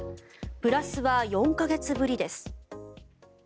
プラスは４か月ぶりです。